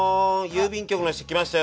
郵便局の人来ましたよ」